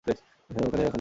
হ্যাঁ, ওখানে রাখা নেই।